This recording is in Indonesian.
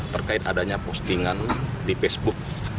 terkait adanya postingan di facebook